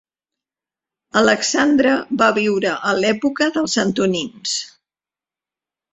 Alexandre va viure a l'època dels Antonins.